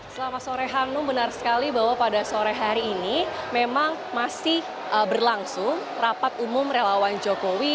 selamat sore hanum benar sekali bahwa pada sore hari ini memang masih berlangsung rapat umum relawan jokowi